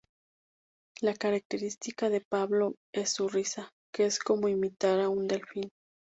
La característica de Pablo es su risa, que es como imitar a un delfín.